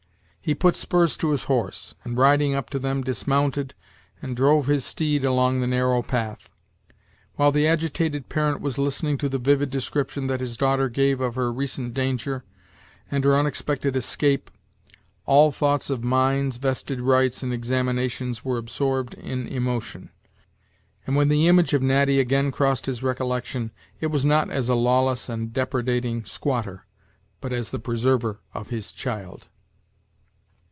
He put spurs to his horse, and riding up to them, dismounted, and drove his steed along the narrow path. While the agitated parent was listening to the vivid description that his daughter gave of her recent danger, and her unexpected escape, all thoughts of mines, vested rights, and examinations were absorbed in emotion; and when the image of Natty again crossed his recollection, it was not as a law Less and depredating squatter, but as the preserver of his child.